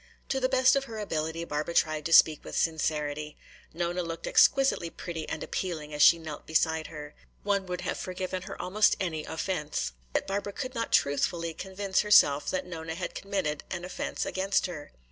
To the best of her ability Barbara tried to speak with sincerity. Nona looked exquisitely pretty and appealing as she knelt beside her. One would have forgiven her almost any offense. Yet Barbara could not truthfully convince herself that Nona had committed an offense against her.